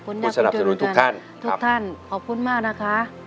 ขอบคุณครับสาธุครับพระอาทิตย์ขอบคุณครับ